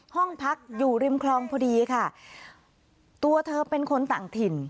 ห้องพักอยู่ริมคลองพอดีค่ะตัวเธอเป็นคนต่างถิ่น